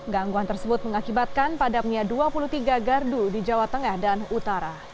gangguan tersebut mengakibatkan padamnya dua puluh tiga gardu di jawa tengah dan utara